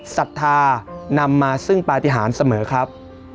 ศรัทธานำมาซึ่งปฏิหารเสมอครับ